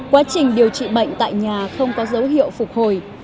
quá trình điều trị bệnh tại nhà không có dấu hiệu phục hồi